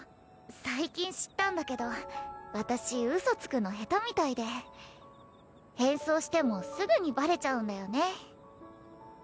最近知ったんだけど私ウソつくのヘタみたいで変装してもすぐにバレちゃうんだよね